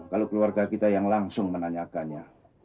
kalau keluarga kita yang langsung menanyakannya